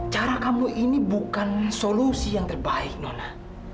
cara kamu ini bukan solusi yang terbaik nona